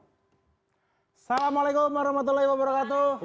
assalamualaikum warahmatullahi wabarakatuh